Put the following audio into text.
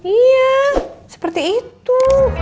iya seperti itu